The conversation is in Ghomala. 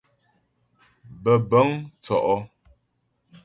Bə̀bə̂ŋ tsɔ́' ɔ.